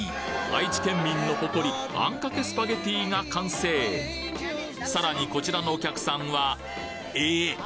愛知県民の誇りあんかけスパゲティが完成さらにこちらのお客さんはえっ！